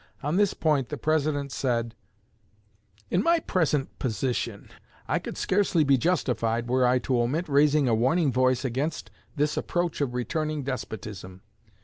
On this point the President said: In my present position, I could scarcely be justified were I to omit raising a warning voice against this approach of returning despotism.